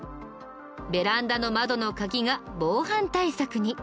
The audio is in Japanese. ベランダの窓の鍵が防犯対策に。